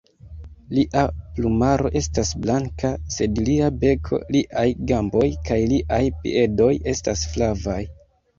Lia plumaro estas blanka, sed lia beko, liaj gamboj kaj liaj piedoj estas flavaj.